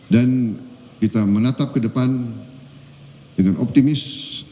dan kita menatap ke depan dengan optimis